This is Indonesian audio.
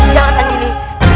jangan hagi ini